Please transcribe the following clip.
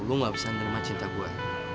lu gak bisa nerima cinta gua